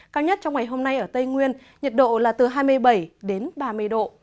cao nhất trong ngày hôm nay ở tây nguyên nhiệt độ là từ hai mươi bảy đến ba mươi độ